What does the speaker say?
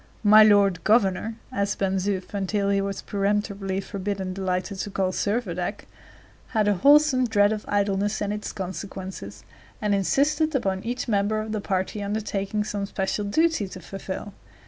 "My lord governor," as Ben Zoof until he was peremptorily forbidden delighted to call Servadac, had a wholesome dread of idleness and its consequences, and insisted upon each member of the party undertaking some special duty to fulfill.